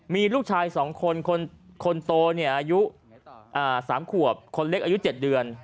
มีลูกชายสองคนคนคนโตนี้อายุอ่าสามขวบคนเล็กอายุเจ็ดเดือน